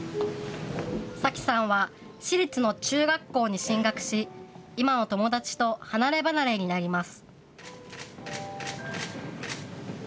咲希さんは私立の中学校に進学し今の友達と離れ離れになります。